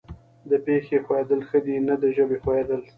د پښې ښویېدل ښه دي نه د ژبې ښویېدل.